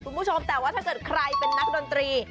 คุณผู้ชมแต่ว่าถ้าเกิดใครเป็นนักดนตรี